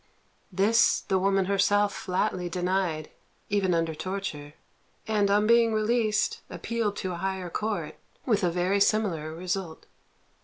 This the woman herself flatly denied, even under torture; and on being released, appealed to a higher court, with a very similar result.